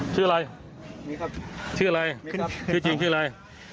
ชื่ออะไรชื่ออะไรชื่อจริงชื่ออะไร